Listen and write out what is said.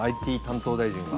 ＩＴ担当大臣。